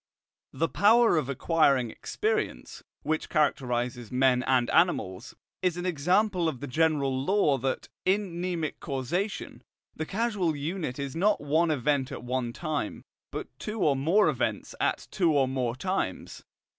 The power of acquiring experience, which characterizes men and animals, is an example of the general law that, in mnemic causation, the causal unit is not one event at one time, but two or more events at two or more times.